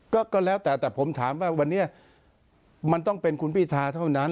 ก็แล้วแต่แต่ผมถามว่าวันนี้มันต้องเป็นคุณพิธาเท่านั้น